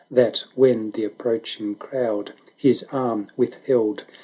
That when the approaching crowd his arm withheld.